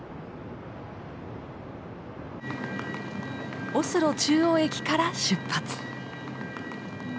オスロ中央駅から出発！